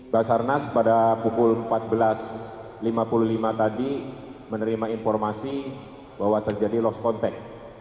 basarnas pada pukul empat belas lima puluh lima tadi menerima informasi bahwa terjadi lost contact